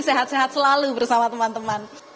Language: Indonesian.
sehat sehat selalu bersama teman teman